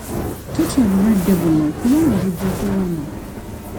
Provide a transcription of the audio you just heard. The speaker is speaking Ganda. Totya bulwadde buno kubanga bujja kuwona.